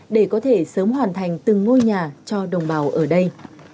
để có thể sớm hoàn thành từng ngôi nhà cho đồng bào ở đây